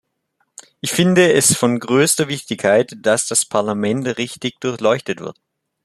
Ich finde, es ist von größter Wichtigkeit, dass das Parlament richtig durchleuchtet wird.